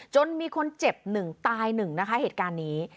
จนมีคนเจ็บหนึ่งตายหนึ่งนะคะเหตุการณ์นี้